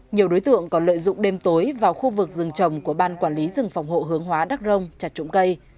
nhiều đối tượng còn lợi dụng đêm tối vào khu vực rừng trồng của ban quản lý rừng phòng hộ hướng hóa đắk rông trạch trụng cây